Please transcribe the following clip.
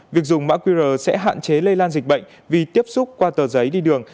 việc dùng mã qr sẽ hạn chế lây lan dịch bệnh vì tiếp xúc qua tờ giấy đi đường